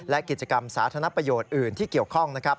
และกิจกรรมสาธารณประโยชน์อื่นที่เกี่ยวข้องนะครับ